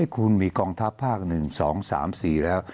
คุณมีกองทัพภาค๑๒๓๔แล้ว